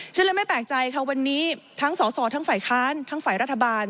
ฉันเลยไม่แปลกใจค่ะวันนี้ทั้งสอสอทั้งฝ่ายค้านทั้งฝ่ายรัฐบาล